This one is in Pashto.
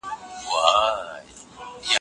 چي له عقله یې جواب غواړم ساده یم